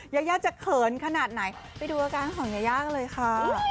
ยายาจะเขินขนาดไหนไปดูอาการของยายาเลยค่ะ